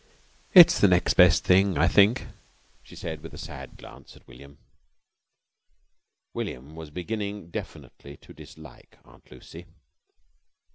"It's the next best thing, I think," she said with a sad glance at William. William was beginning definitely to dislike Aunt Lucy.